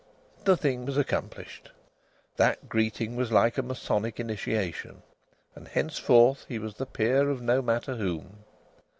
The thing was accomplished! That greeting was like a Masonic initiation, and henceforward he was the peer of no matter whom.